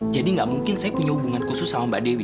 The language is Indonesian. jadi gak mungkin saya punya hubungan khusus sama mbak dewi